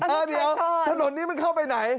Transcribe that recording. เออเดี๋ยวถนนนี้มันเข้าไปไหน